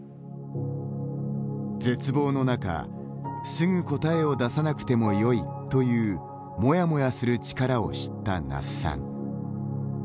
絶望の中、すぐ答えを出さなくてもよいというモヤモヤする力を知った那須さん。